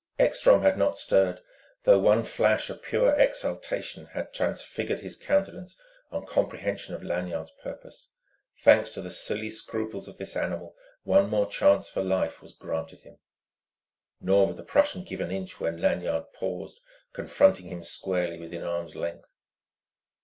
Ekstrom had not stirred, though one flash of pure exultation had transfigured his countenance on comprehension of Lanyard's purpose: thanks to the silly scruples of this animal, one more chance for life was granted him. Nor would the Prussian give an inch when Lanyard paused, confronting him squarely, within arm's length.